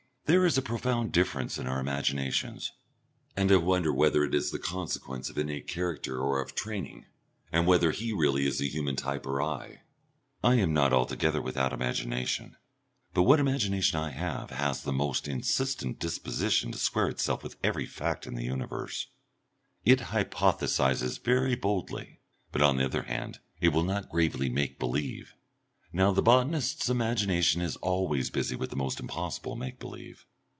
There is a profound difference in our imaginations, and I wonder whether it is the consequence of innate character or of training and whether he is really the human type or I. I am not altogether without imagination, but what imagination I have has the most insistent disposition to square itself with every fact in the universe. It hypothesises very boldly, but on the other hand it will not gravely make believe. Now the botanist's imagination is always busy with the most impossible make believe.